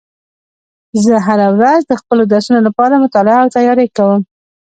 زه هره ورځ د خپلو درسونو لپاره مطالعه او تیاری کوم